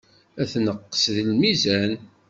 Ad tenqes deg lmizan.